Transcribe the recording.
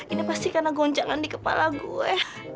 ini pasti karena goncangan di kepala gue